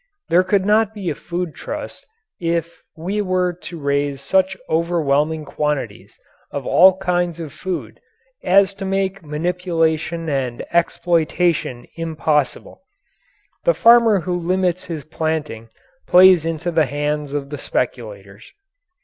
There could not be a food trust if we were to raise such overwhelming quantities of all kinds of food as to make manipulation and exploitation impossible. The farmer who limits his planting plays into the hands of the speculators.